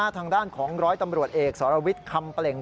ทางด้านของร้อยตำรวจเอกสรวิทย์คำเปล่ง